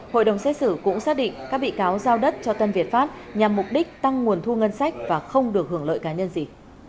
hội đồng xét xử cũng xác định các bị cáo giao đất cho tân việt pháp nhằm mục đích tăng nguồn thu ngân sách và không được hưởng lợi cá nhân gì